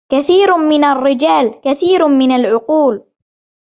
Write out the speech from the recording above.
كَثير من الرِجال, كثير من العقول.